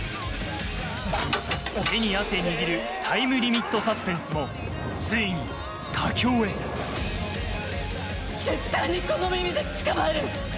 手に汗握るタイムリミットサスペンスも絶対にこの耳で捕まえる！